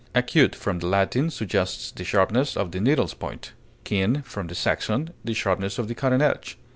Acute, from the Latin, suggests the sharpness of the needle's point; keen, from the Saxon, the sharpness of the cutting edge.